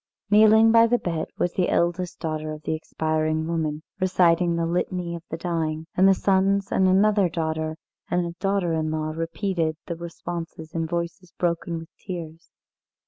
Kneeling by the bed was the eldest daughter of the expiring woman, reciting the Litany of the Dying, and the sons and another daughter and a daughter in law repeated the responses in voices broken with tears.